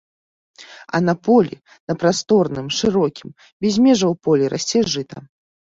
А на полі, на прасторным, шырокім, без межаў полі расце жыта.